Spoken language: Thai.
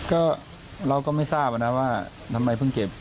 ก็เราก็ไม่ทราบนะว่าทำไมเพิ่งเก็บ